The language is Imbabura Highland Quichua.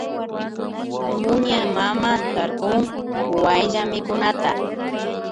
Muña mama tarpun wayllamikunata